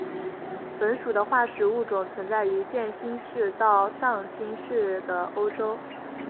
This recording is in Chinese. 本属的化石物种存在于渐新世到上新世的欧洲。